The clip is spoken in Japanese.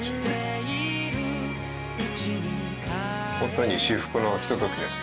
ホントに至福のひとときです。